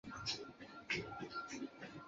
事件在中国引起强烈反响。